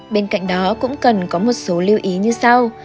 bên cạnh đó cũng cần có một số lưu ý như sau